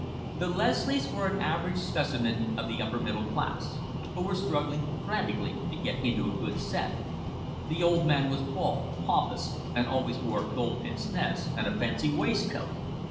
The Leslies were an average specimen of the upper middle class, who were struggling frantically to get into a good set. The old man was bald, pompous, and always wore gold pince nez and a fancy waistcoat.